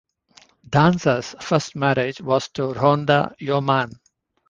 Danza's first marriage was to Rhonda Yeoman.